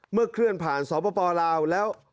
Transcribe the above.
เมื่อเคลื่อนผ่านสวพปลาวแล้ว